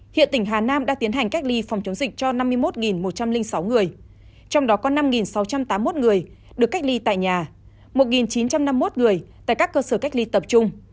hiện tỉnh hà nam đã tiến hành cách ly phòng chống dịch cho năm mươi một một trăm linh sáu người trong đó có năm sáu trăm tám mươi một người được cách ly tại nhà một chín trăm năm mươi một người tại các cơ sở cách ly tập trung